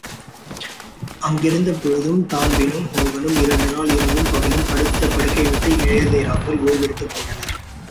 அங்கிருந்த பொழுது தான்பிரீனும் ஹோகனும் இரண்டு நாள் இரவும் பகலும் படுத்த படுக்கைவிட்டு எழுந்திராமல் ஓய்வெடுத்துக் கொண்டனர்.